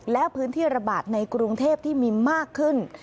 และพื้นที่ระบาดในกรุงเทพที่มีมากขึ้น